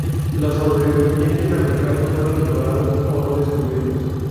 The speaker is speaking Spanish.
Los sobrevivientes americanos fueron ignorados o no descubiertos.